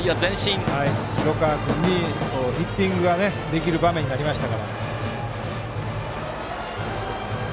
広川君にヒッティングができる場面になりました。